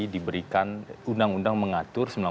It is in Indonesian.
diberikan undang undang mengatur